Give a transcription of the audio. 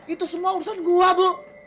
itu semua urusan gua bu